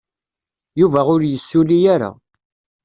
Yuba ur yessulli ara.